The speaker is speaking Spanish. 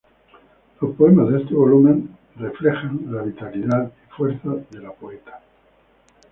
Los poemas de este volumen reflejan la vitalidad y fuerza de la poeta.